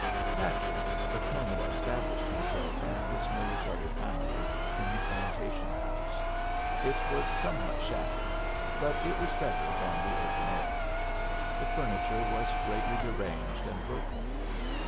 Naturally, the colonel established himself and his military family in the plantation house. It was somewhat shattered, but it was better than the open air. The furniture was greatly deranged and broken.